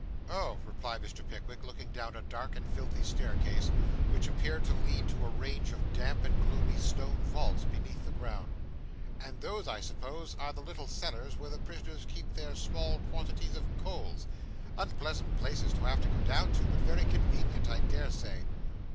'Oh,' replied Mr. Pickwick, looking down a dark and filthy staircase, which appeared to lead to a range of damp and gloomy stone vaults, beneath the ground, 'and those, I suppose, are the little cellars where the prisoners keep their small quantities of coals. Unpleasant places to have to go down to; but very convenient, I dare say.